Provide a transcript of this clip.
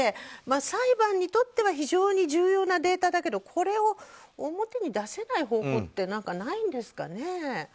裁判にとっては非常に重要なデータだけどこれを表に出せない方法って何か、ないんですかね。